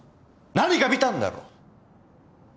何か見たんだろ！